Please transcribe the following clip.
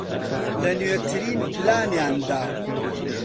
لە نوێترین پلانیاندا